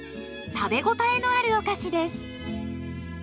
食べ応えのあるお菓子です。